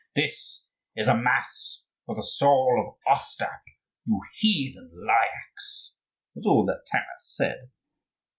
"This is a mass for the soul of Ostap, you heathen Lyakhs," was all that Taras said.